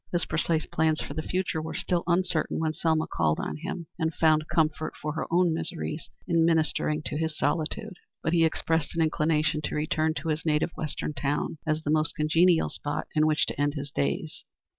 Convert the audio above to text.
His precise plans for the future were still uncertain when Selma called on him, and found comfort for her own miseries in ministering to his solitude, but he expressed an inclination to return to his native Western town, as the most congenial spot in which to end his days.